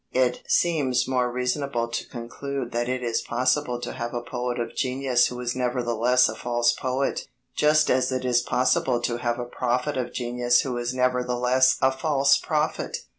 It seems more reasonable to conclude that it is possible to have a poet of genius who is nevertheless a false poet, just as it is possible to have a prophet of genius who is nevertheless a false prophet.